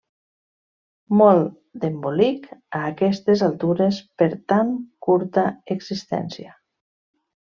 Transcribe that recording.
Molt d'embolic a aquestes altures per tan curta existència.